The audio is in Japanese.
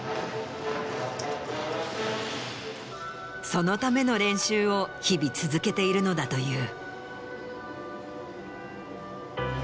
そのための練習を日々続けているのだという。